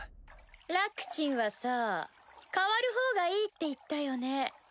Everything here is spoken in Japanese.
ラックちんはさ変わる方がいいって言ったよね？